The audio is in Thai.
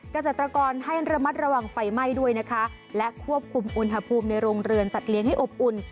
เกษตรกรให้ระมัดระวังไฟไหม้ด้วยนะคะและควบคุมอุณหภูมิในโรงเรือนสัตว์เลี้ยงให้อบอุ่น